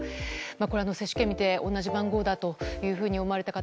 これは接種券を見て同じ番号だと思われた方